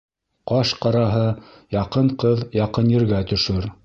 Ҡаш араһы яҡын ҡыҙ яҡын ергә төшөр.